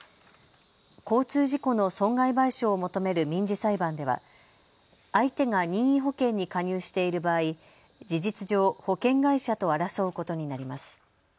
交通事故の損害賠償を求める民事裁判では相手が任意保険に加入している場合、事実上、保険会社と争うことになります。